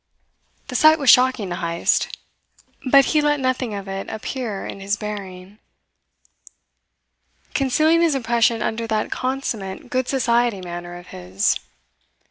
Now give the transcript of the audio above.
The sight was shocking to Heyst; but he let nothing of it appear in his bearing, concealing his impression under that consummate good society manner of his.